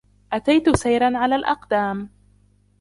أتيت سيراً على الأقدام.